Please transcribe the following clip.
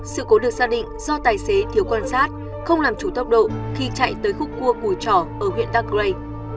sự cố được xác định do tài xế thiếu quan sát không làm chủ tốc độ khi chạy tới khúc cua cùi trỏ ở huyện dai